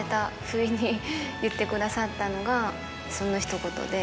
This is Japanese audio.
不意に言ってくださったのがそのひと言で。